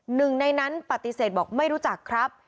หนึ่งในนั้นปฏิเสธบอกไม่รู้จักครับ